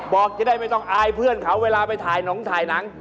บอกจะได้ไม่ต้องอายเพื่อนเขาเวลาไปถ่ายหนงถ่ายหนัง